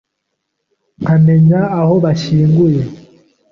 Nkamenya aho bashyinguye?